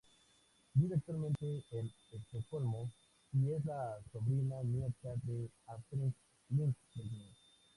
Vive actualmente en Estocolmo y es la sobrina nieta de Astrid Lindgren.